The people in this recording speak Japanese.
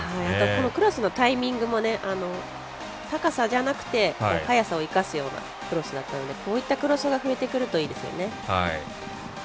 このクロスのタイミングも高さじゃなくて速さを生かすようなクロスだったのでこういったクロスが増えてくるといいですよね。